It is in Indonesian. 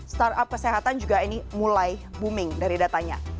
start up kesehatan juga ini mulai booming dari datanya